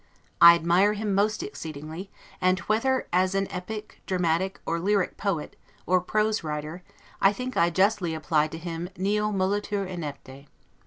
I admire him most exceedingly; and, whether as an epic, dramatic, or lyric poet, or prose writer, I think I justly apply to him the 'Nil molitur inepte'.